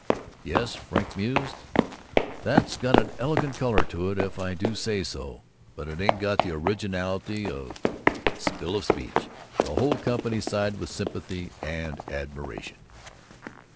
"Yes," Frink mused, "that's got an elegant color to it, if I do say so, but it ain't got the originality of 'spill of speech!'" The whole company sighed with sympathy and admiration.